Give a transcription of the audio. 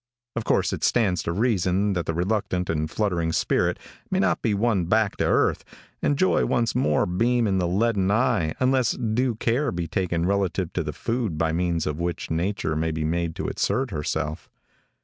Of course it stands to reason that the reluctant and fluttering spirit may not be won back to earth, and joy once more beam in the leaden eye unless due care be taken relative to the food by means of which nature may be made to assert herself.